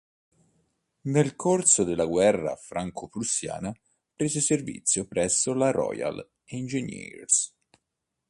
Nel corso della Guerra franco-prussiana prese servizio presso la Royal Engineers.